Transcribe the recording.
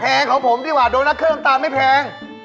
ของผมดีกว่าโดนัทเครื่องน้ำตาลไม่แพง